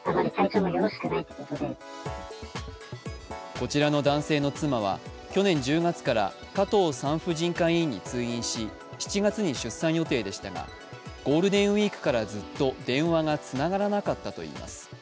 こちらの男性の妻は去年１０月から加藤産婦人科医院に通院し７月に出産予定でしたがゴールデンウイークからずっと電話がつながらなかったといいます。